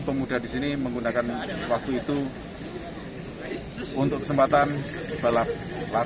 pemuda di sini menggunakan waktu itu untuk kesempatan balap latihan